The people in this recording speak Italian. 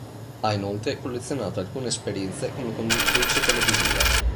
Ha inoltre collezionato alcune esperienze come conduttrice televisiva.